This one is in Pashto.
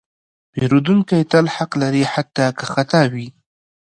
پیرودونکی تل حق لري، حتی که خطا وي.